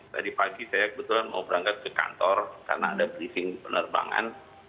tadi pagi saya kebetulan mau berangkat ke kantor karena ada briefing penerbangan